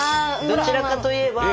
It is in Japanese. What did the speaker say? どちらかと言えば令和？